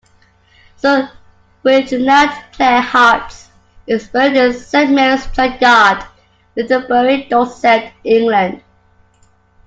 Sir Reginald Clare Hart's is buried in Saint Marys Churchyard, Netherbury, Dorset, England.